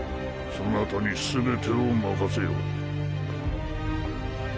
そなたに全てを任せよう。